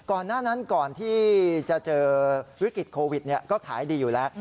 ก่อนหน้านั้นก่อนที่จะเจอวิกฤตโควิดก็ขายดีอยู่แล้ว